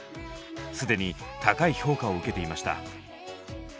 既に高い評価を受けていました。